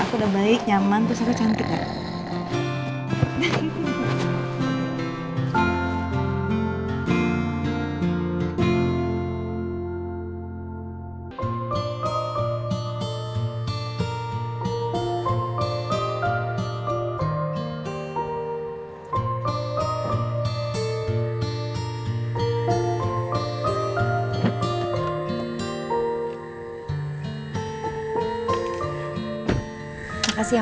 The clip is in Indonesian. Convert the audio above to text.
aku udah baik nyaman terus aku cantik gak